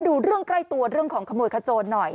ดูเรื่องใกล้ตัวเรื่องของขโมยขโจนหน่อย